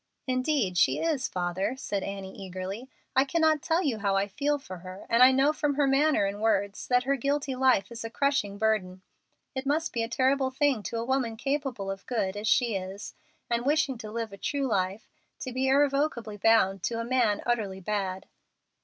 "Indeed she is, father," said Annie, eagerly. "I cannot tell you how I feel for her, and I know from her manner and words that her guilty life is a crushing burden. It must be a terrible thing to a woman capable of good (as she is), and wishing to live a true life, to be irrevocably bound to a man utterly bad."